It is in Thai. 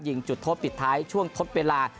จุดโทษปิดท้ายช่วงทดเวลา